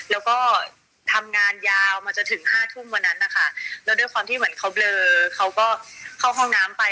แล้วก็ทำงานยาวมาจนถึงห้าทุ่มวันนั้นนะคะแล้วด้วยความที่เหมือนเขาเบลอเขาก็เข้าห้องน้ำไป